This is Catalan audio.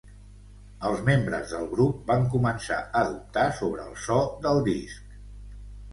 Els membres del grup van començar a dubtar sobre el so del disc.